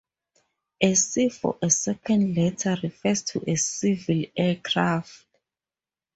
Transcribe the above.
A "C" for a second letter refers to a civil aircraft.